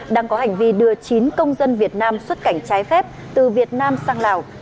đang có hành vi đưa chín công dân việt nam xuất cảnh trái phép từ việt nam sang lào